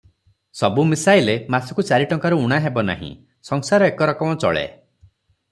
ସବୁ ମିଶାଇଲେ ମାସକୁ ଚାରି ଟଙ୍କାରୁ ଊଣା ହେବ ନାହିଁ, ସଂସାର ଏକରକମ ଚଳେ।